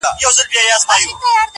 د یو میلمه د راتګ په انتظار یوو